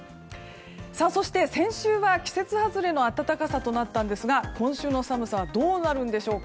そして先週は季節外れの暖かさとなったんですが今週の寒さはどうなるんでしょうか。